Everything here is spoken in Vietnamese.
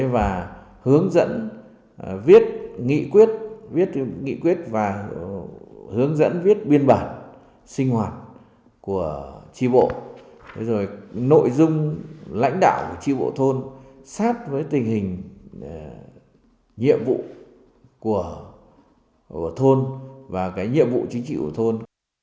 viết nghị quyết và hướng dẫn viết biên bản sinh hoạt của tri bộ nội dung lãnh đạo của tri bộ thôn sát với tình hình nhiệm vụ của thôn và nhiệm vụ chính trị của thôn